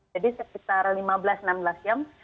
jadi sekitar lima belas enam belas jam